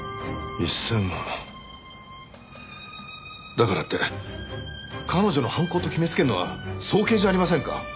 だからって彼女の犯行と決めつけるのは早計じゃありませんか？